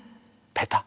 ペタ。